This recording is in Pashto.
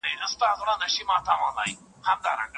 په هوا مو کشپان نه وه لیدلي